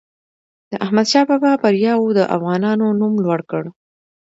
د احمدشاه بابا بریاوو د افغانانو نوم لوړ کړ.